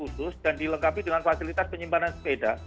harus dibuat khusus dan dilengkapi dengan fasilitas penyimpanan sepeda